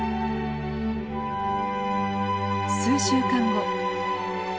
数週間後。